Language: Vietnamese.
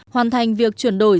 hoàn thành việc chuyển đổi